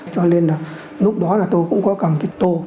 cho nên là lúc đó là tôi cũng có cầm cái tô